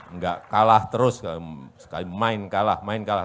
nggak kalah terus sekali main kalah main kalah